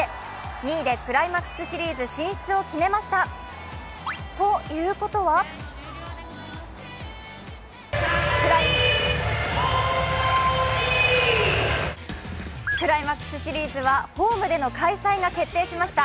２位でクライマックスシリーズ進出を決めました、ということはクライマックスシリーズはホームでの開催が決定しました。